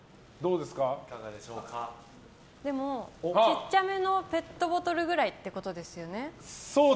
でも、ちっちゃめのペットボトルくらいってそうです。